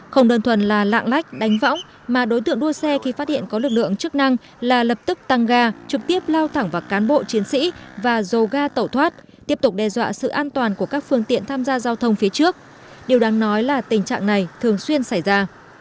không đơn thuần là lạng lách đánh võng mà đối tượng đua xe khi phát hiện có lực lượng chức năng là lập tức tăng ga trực tiếp lao thẳng vào cán bộ chiến sĩ và dồ ga tẩu thoát tiếp tục đe dọa sự an toàn của các phương tiện tham gia giao thông phía trước điều đáng nói là tình trạng này thường xuyên xảy ra